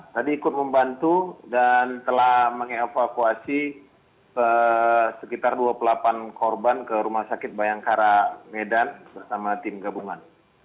tadi ikut membantu dan telah mengevakuasi sekitar dua puluh delapan korban ke rumah sakit bayangkara medan bersama tim gabungan